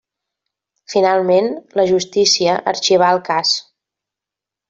Finalment, la justícia arxivà el cas.